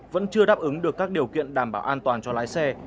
vẫn chưa đáp ứng được các điều kiện đảm bảo an toàn cho lái xe